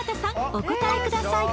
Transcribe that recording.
お答えください